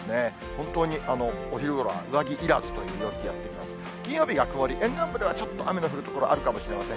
本当にお昼は上着いらずという陽気がやって来ます。